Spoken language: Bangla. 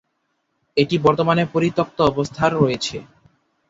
এটি বর্তমানে পরিত্যক্ত অবস্থার রয়েছে।